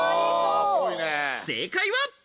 正解は。